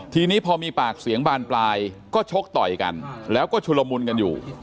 ทีนี้พอมีปากเสียงบานปลายก็ชกต่อยกันแล้วก็ชุลมุนกันอยู่